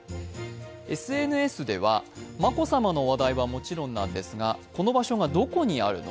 ＳＮＳでは、眞子さまの話題はもちろんなんですが、この場所がどこにあるの？